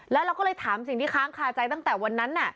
แล้วเราก็เลยถามสิ่งที่ค้างคาใจตั้งแต่วันนั้น